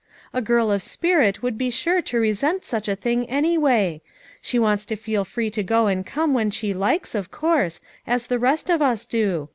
A girl of spirit would be sure to resent such a thing anyway; she wants to feel free to go and come when she likes, of course, as the rest of us do.